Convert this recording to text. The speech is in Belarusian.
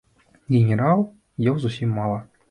Генерал еў зусім мала.